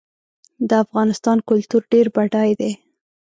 د افغانستان کلتور ډېر بډای دی.